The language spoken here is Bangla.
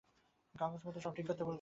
কাগজপত্র সব ঠিক করতে বলছে।